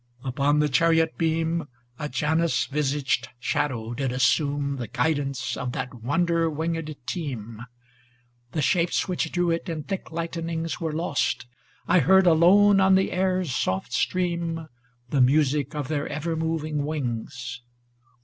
Upon the chariot beam A Janus visaged Shadow did assume The guidance of that wonder winged team ; The shapes which drew it in thick lightnings Were lost ŌĆö I heard alone on the air's soft stream The music of their ever moving wings.